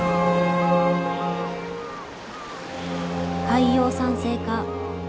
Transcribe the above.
海洋酸性化